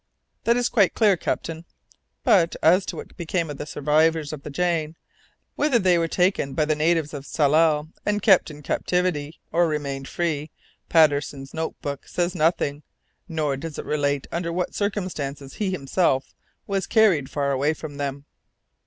"That is quite clear, captain. But, as to what became of the survivors of the Jane, whether they were taken by the natives of Tsalal and kept in captivity, or remained free, Patterson's note book says nothing, nor does it relate under what circumstances he himself was carried far away from them."